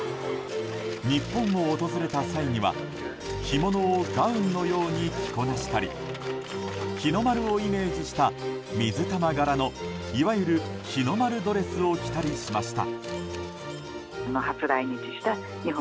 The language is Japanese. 日本を訪れた際には、着物をガウンのように着こなしたり日の丸をイメージした水玉柄のいわゆる日の丸ドレスを着たりしました。